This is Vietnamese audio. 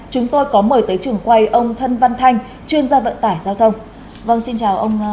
chúng tôi có mời tới trường quay ông thân văn thanh chuyên gia vận tải giao thông